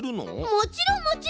もちろんもちろん！